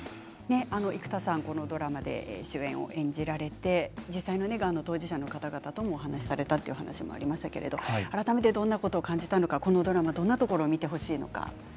生田さん、このドラマで主演を演じられて実際、がんの当事者の方々とお話しされたとありましたが改めて、どんなこと感じたのかこのドラマどんなところを見てほしいのか。